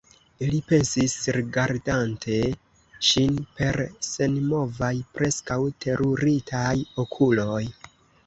li pensis, rigardante ŝin per senmovaj, preskaŭ teruritaj okuloj.